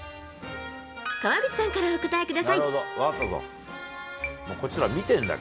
川口さんからお答えください。